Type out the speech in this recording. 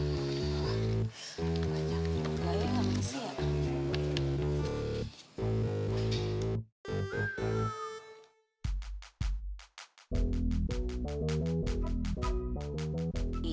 sampai jumpa lagi